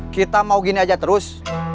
kita mau gini aja terus